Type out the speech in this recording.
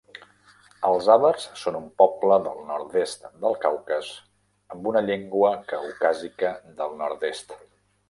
Els àvars són un poble del nord-est del Caucas amb una llengua caucàsica del nord-est.